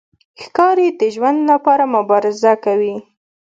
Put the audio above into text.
ښکاري د ژوند لپاره مبارزه کوي.